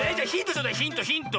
ちょうだいヒントヒント。